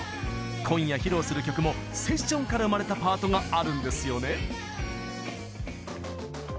今夜、披露する曲もセッションから生まれたパートがあるんですよね？